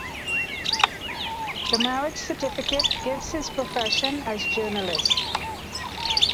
The marriage certificate gives his profession as journalist.